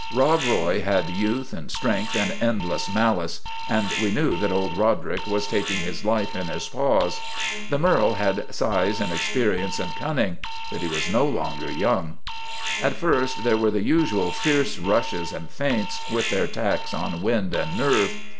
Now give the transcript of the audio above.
Rob Roy had youth and strength and endless malice, and we knew that old Roderick was taking his life in his paws. The merle had size and experience and cunning; but he was no longer young. " At first there were the usual fierce rushes and feints, with their tax on wind and nerve.